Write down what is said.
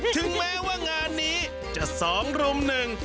ถึงแม้ว่างานนี้จะสองรุ่มหนึ่ง